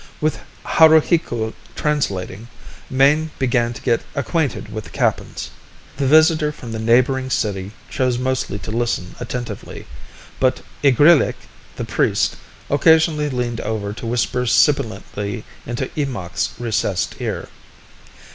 With Haruhiku translating, Mayne began to get acquainted with the Kappans. The visitor from the neighboring city chose mostly to listen attentively, but Igrillik, the priest, occasionally leaned over to whisper sibilantly into Eemakh's recessed ear.